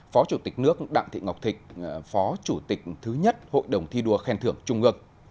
phó chủ tịch nước đặng thị ngọc thịnh phó chủ tịch thứ nhất hội đồng thi đua khen thưởng trung ương